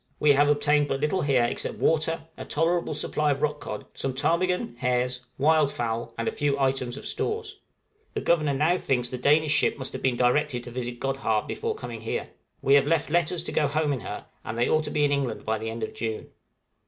We have obtained but little here except water, a tolerable supply of rock cod, some ptarmigan hares, wildfowl, and a few items of stores. The Governor now thinks the Danish ship must have been directed to visit Godhaab before coming here. We have left letters to go home in her, and they ought to be in England by the end of June. {AN EARTHQUAKE.